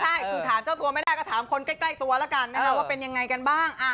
ใช่คือถามเจ้าตัวไม่ได้ก็ถามคนใกล้ตัวแล้วกันนะคะว่าเป็นยังไงกันบ้าง